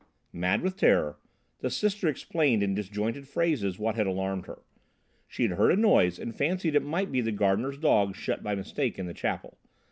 Mad with terror, the Sister explained in disjointed phrases what had alarmed her. She had heard a noise and fancied it might be the gardener's dog shut by mistake in the chapel.